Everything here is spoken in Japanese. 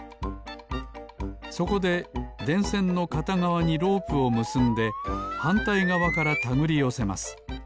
そこででんせんのかたがわにロープをむすんではんたいがわからたぐりよせます。